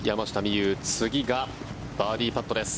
夢有次がバーディーパットです。